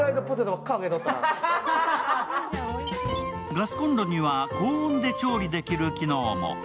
ガスコンロには高温で調理できる機能も。